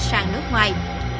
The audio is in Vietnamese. sang nước ngoài